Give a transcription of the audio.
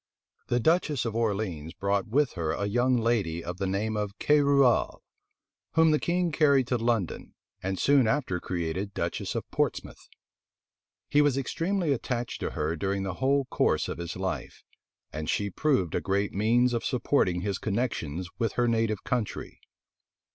The duchess of Orleans brought with her a young lady of the name of Querouaille, whom the king carried to London, and soon after created duchess of Portsmouth. He was extremely attached to her during the whole course of his life; and she proved a great means of supporting his connections with her native country.